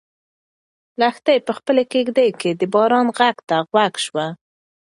لښتې په خپله کيږدۍ کې د باران غږ ته غوږ شو.